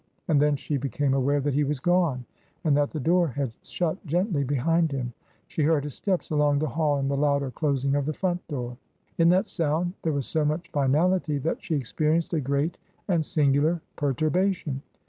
And then she became aware that he was gone, and that the door had shut gently behind him. She heard his steps along the hall and the louder closing of the front door. In that sound there was so much finality that she ex perienced a great and singular perturbation.